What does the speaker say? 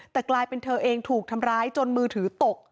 แต่กลายเป็นเธอเองถูกทำร้ายจนมือถือตก